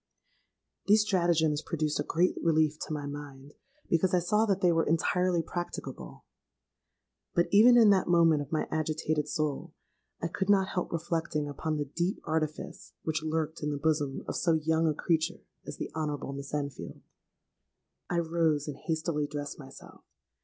'—These stratagems produced a great relief to my mind, because I saw that they were entirely practicable. But, even in that moment of my agitated soul, I could not help reflecting upon the deep artifice which lurked in the bosom of so young a creature as the Honourable Miss Enfield. "I rose and hastily dressed myself.